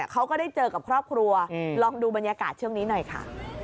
เขาก็ได้เจอกับครอบครัวลองดูบรรยากาศช่วงนี้หน่อยค่ะ